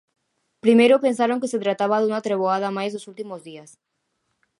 Primeiro pensaron que se trataba dunha treboada máis dos últimos días.